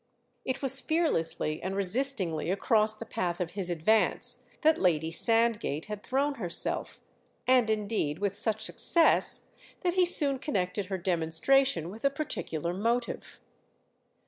It was fearlessly and resistingly across the path of his advance that Lady Sandgate had thrown herself, and indeed with such success that he soon connected her demonstration with a particular motive.